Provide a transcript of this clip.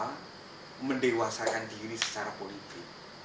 kita mendewasakan diri secara politik